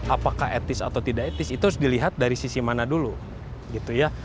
apakah etis atau tidak etis itu harus dilihat dari sisi mana dulu gitu ya